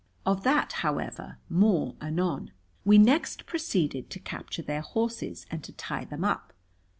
Of that, however, more anon. We next proceeded to capture their horses and to tie them up.